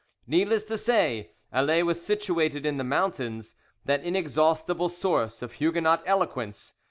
Needless to say, Alais was situated in the mountains, that inexhaustible source of Huguenot eloquence.